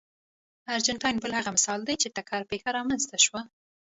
ارجنټاین بل هغه مثال دی چې ټکر پېښه رامنځته شوه.